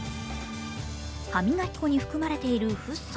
歯磨き粉に含まれているフッ素。